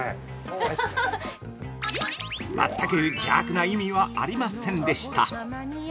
◆全く邪悪な意味はありませんでした。